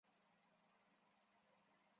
在公元八世纪由波罗王朝国王护法成立。